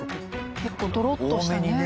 結構ドロッとしたね。